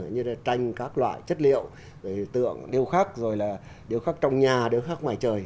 như là tranh các loại chất liệu tượng đều khác rồi là đều khác trong nhà đều khác ngoài trời